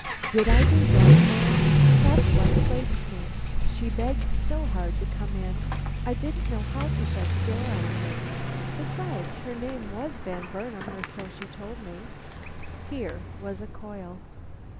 "Did I do wrong, ma'am? That's what plagues me. She begged so hard to come in, I didn't know how to shut the door on her. Besides her name was Van Burnam, or so she told me." Here was a coil.